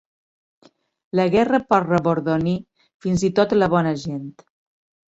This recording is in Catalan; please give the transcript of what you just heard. La guerra pot rebordonir fins i tot la bona gent.